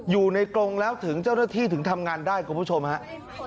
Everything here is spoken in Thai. กรงแล้วถึงเจ้าหน้าที่ถึงทำงานได้คุณผู้ชมฮะ